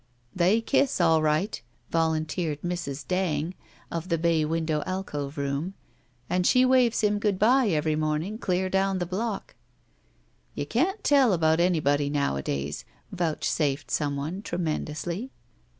"They kiss, all right," volunteered Mrs. Dang of the bay window alcove '•oom, "and she waves him good by every morning dear down the block." "You can't tell about anybody nowadays," vouchsafed some one, tremendously.